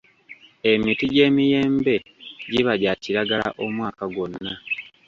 Emiti gy'emiyembe giba gya kiragala omwaka gwonna.